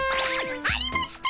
ありました！